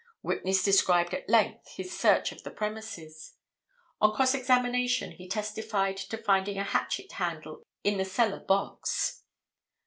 Witness described at length his search of the premises. On cross examination he testified to finding a hatchet handle in the cellar box.